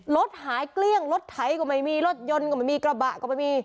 รถหายเกลี้ยงรถไถก็ไม่มีรถยนต์ก็ไม่มีกระบะก็ไม่มี